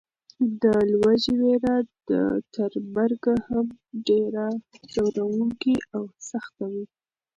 د لوږې وېره تر مرګ هم ډېره ځوروونکې او سخته وي.